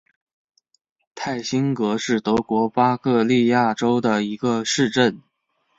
泰辛格是德国巴伐利亚州的一个市镇。